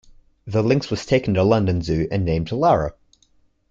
The lynx was taken to London Zoo and named Lara.